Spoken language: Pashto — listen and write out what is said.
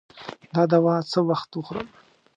دا دوا څه وخت وخورم؟